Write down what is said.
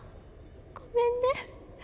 ごめんね。